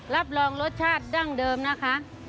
รับรองรสชาติดั้งเดิมนะคะ